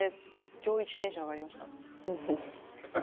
今日イチテンション上がりました。